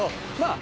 あ